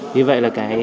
như vậy là cái